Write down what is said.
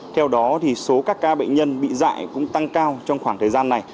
theo đó thì số các ca bệnh nhân bị dại cũng tăng cao trong khoảng thời gian này